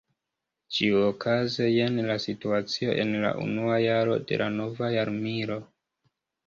Ĉiuokaze jen la situacio en la unua jaro de la nova jarmilo.